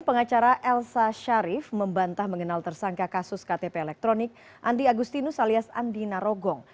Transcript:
pengacara elsa sharif membantah mengenal tersangka kasus ktp elektronik andi agustinus alias andi narogong